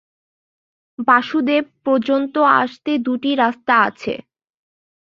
বাসুদেব পর্যন্ত আসতে দুটি রাস্তা আছে।